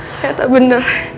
saya tak bener